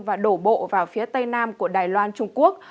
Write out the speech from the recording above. và đổ bộ vào phía tây nam của đài loan trung quốc